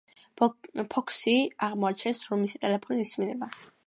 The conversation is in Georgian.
ფოქსი აღმოაჩენს, რომ მისი ტელეფონი ისმინება.